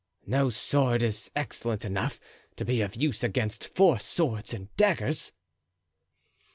"No sword is excellent enough to be of use against four swords and daggers."